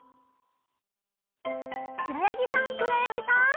しろやぎさんくろやぎさん。